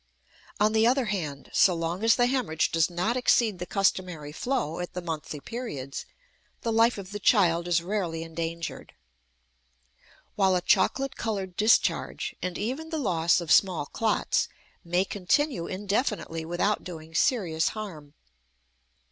On the other hand, so long as the hemorrhage does not exceed the customary flow at the monthly periods, the life of the child is rarely endangered; while a chocolate colored discharge, and even the loss of small clots, may continue indefinitely without doing serious harm.